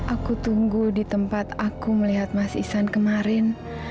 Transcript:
aku tunggu di tempat aku melihat mas isan kemarin